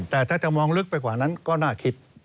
แต่ถ้าจะมองลึกไปกว่านั้นก็น่าคิด